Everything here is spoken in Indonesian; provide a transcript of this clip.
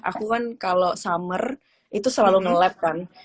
aku kan kalo summer itu selalu nge lab kan